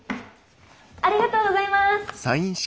ありがとうございます！